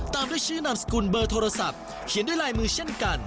ตามด้วยชื่อนามสกุลเบอร์โทรศัพท์เขียนด้วยลายมือเช่นกัน